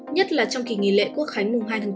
nhất là trong kỳ nghỉ lễ quốc khánh mùng hai tháng chín